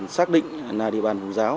xác định là địa bàn hùng giáo